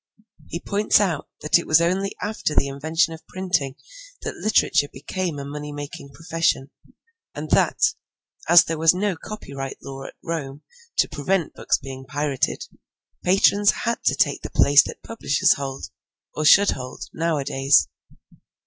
He points out that it was only after the invention of printing that literature became a money making profession, and that, as there was no copyright law at Rome to prevent books being pirated, patrons had to take the place that publishers hold, or should hold, nowadays.